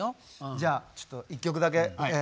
じゃあちょっと一曲だけ。